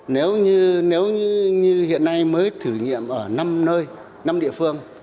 nếu như hiện nay mới thử nghiệm ở năm nơi năm địa phương